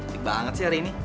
unik banget sih hari ini